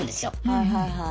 はいはいはい。